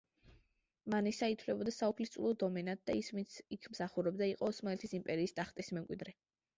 მანისა ითვლებოდა საუფლისწულო დომენად და ის ვინც იქ მსახურობდა იყო ოსმალეთის იმპერიის ტახტის მემკვიდრე.